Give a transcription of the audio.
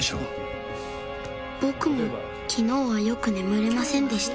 僕も昨日はよく眠れませんでした